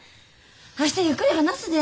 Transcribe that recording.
明日ゆっくり話すで。